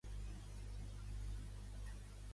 Què és el que li ha molestat a Iglesias d'Errejón?